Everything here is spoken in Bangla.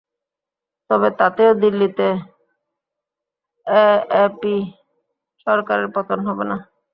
তবে তাতেও দিল্লিতে এএপি সরকারের পতন হবে না।